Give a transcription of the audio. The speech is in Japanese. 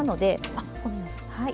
あっごめんなさい。